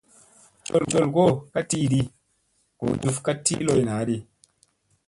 Col kolo ka tiiɗi ,goo juf ka tii loy naaɗi.